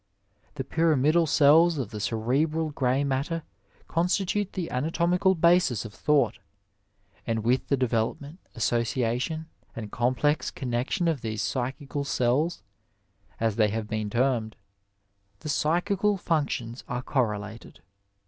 The pyramidal cells of the cerebral grey matter constitute the anatomical basis of thought, and with the development, association, and complex connection of these psychical cells, as tiiiey have been termed, the psychical functions are correlated.